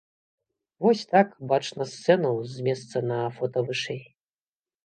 Вось так бачна сцэну з месца на фота вышэй.